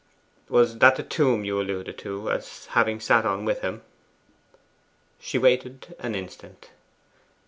Was that the tomb you alluded to as having sat on with him?' She waited an instant.